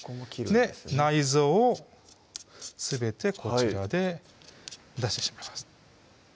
内臓をすべてこちらで出してしまいます